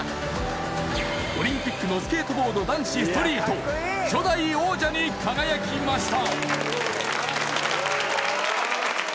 オリンピックのスケートボード男子ストリート初代王者に輝きました